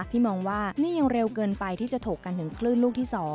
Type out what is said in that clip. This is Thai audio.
ที่มองว่านี่ยังเร็วเกินไปที่จะถกกันถึงคลื่นลูกที่๒